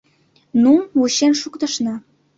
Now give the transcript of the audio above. — Ну, вучен шуктышна!